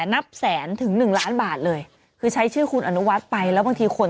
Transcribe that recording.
นับแสนถึงหนึ่งล้านบาทเลยคือใช้ชื่อคุณอนุวัฒน์ไปแล้วบางทีคน